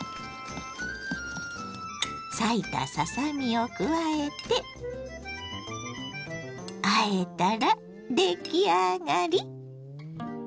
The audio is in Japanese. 裂いたささ身を加えてあえたら出来上がり！